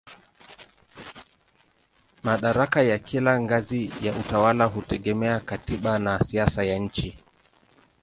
Madaraka ya kila ngazi ya utawala hutegemea katiba na siasa ya nchi.